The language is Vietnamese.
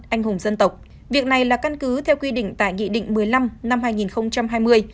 anh hùng dân tộc việc này là căn cứ theo quy định tại nghị định một mươi năm năm hai nghìn hai mươi